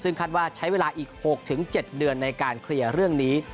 ซึ่งคาดว่าใช้เวลาอีก๖๗เดือนในการเคลียร์เรื่องนี้